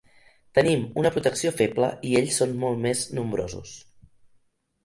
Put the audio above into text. Tenim una protecció feble i ells són molt més nombrosos.